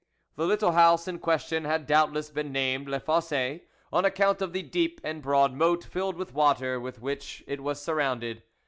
The little house in question had doubtless been named Les Fosses on account of the deep and broad moat, filled with water, with which it was surrounded.